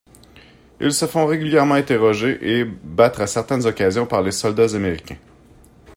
Ils se font régulièrement interrogés, et battre à certaines occasions par les soldats américains.